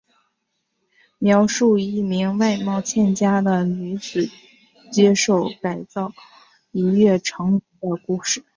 描述一名外貌欠佳的女子接受改造一跃成名的故事。